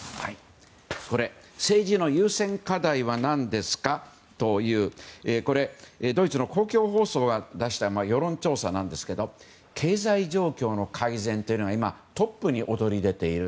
政治の優先課題は何ですかというドイツの公共放送が出した世論調査ですが経済状況の改善というのが今トップに躍り出ている。